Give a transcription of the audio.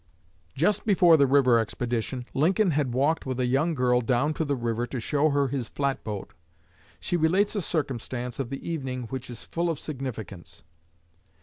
Just before the river expedition, Lincoln had walked with a young girl down to the river to show her his flatboat. She relates a circumstance of the evening which is full of significance.